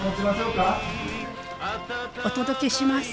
お届けします。